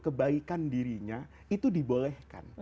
kebaikan dirinya itu dibolehkan